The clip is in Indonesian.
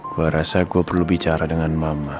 gue rasa gue perlu bicara dengan mama